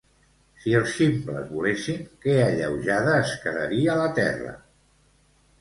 Si els ximples volessin que alleujada es quedaria la Terra